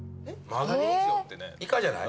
イカじゃない？